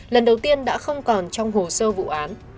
lần đầu tiên đã không còn trong hồ sơ vụ án